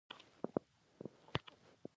هله به نو چا ویلي وای.